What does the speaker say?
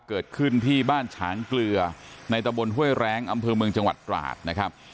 เกิดขึ้นที่บ้านฉางเกลือในตะบนห้วยแรงอำเภอเมืองจังหวัดตราดนะครับ